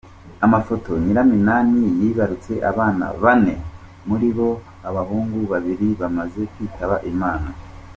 Amafoto: Nyiraminani yibarutse abana bane, muri bo abahungu babiri bamaze kwitaba Imana.